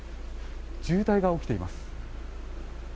渋滞が起きています。